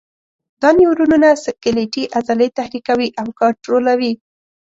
دا نیورونونه سکلیټي عضلې تحریکوي او کنټرولوي.